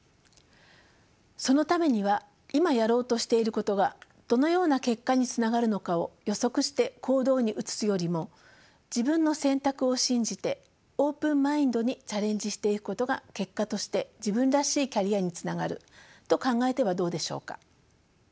そのためには今やろうとしていることがどのような結果につながるのかを予測して行動に移すよりも自分の選択を信じてオープンマインドにチャレンジしていくことが結果として自分らしいキャリアにつながると考えてはどうでしょうか。